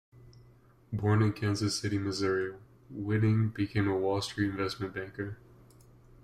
Born in Kansas City, Missouri, Wittig became a Wall Street investment banker.